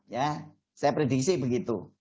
ya saya prediksi begitu